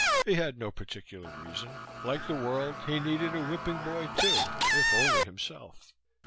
He had no particular reason. Like the world, he needed a whipping boy too, if only himself.